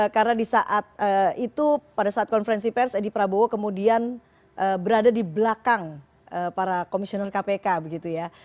karena di saat itu pada saat konferensi pers edi prabowo kemudian berada di belakang para komisioner kpk begitu ya